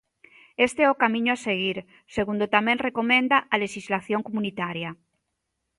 Este é o camiño a seguir, segundo tamén recomenda a lexislación comunitaria.